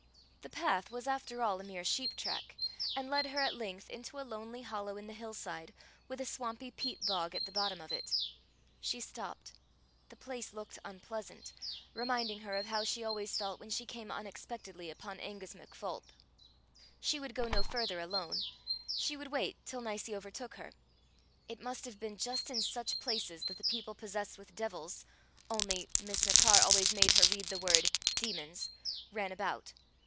The path was after all a mere sheep track, and led her at length into a lonely hollow in the hill side, with a swampy peat bog at the bottom of it. She stopped. The place looked unpleasant, reminding her of how she always felt when she came unexpectedly upon Angus MacPholp. She would go no further alone; she would wait till Nicie overtook her. It must have been just in such places that the people possessed with devils only Miss Machar always made her read the word, demons ran about!